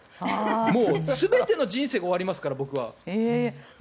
もう全ての人生が終わりますから僕は。